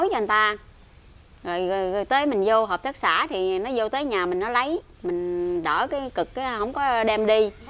cái cực không có đem đi